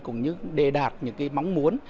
cũng như đề đạt những mong muốn